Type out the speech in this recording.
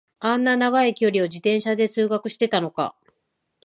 あんな長い距離を自転車で通学してたのか